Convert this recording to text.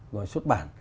của xuất bản